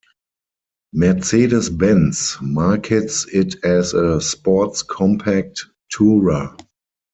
Mercedes-Benz markets it as a sports compact tourer.